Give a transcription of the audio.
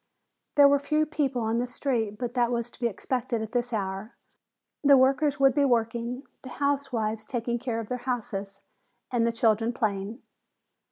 There were few people on the street, but that was to be expected at this hour. The workers would be working, the housewives taking care of their houses and the children playing.